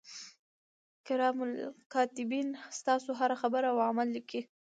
کرام الکاتبین ستاسو هره خبره او عمل لیکي.